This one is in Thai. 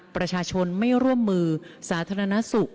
ประชาชนไม่ร่วมมือสาธารณสุข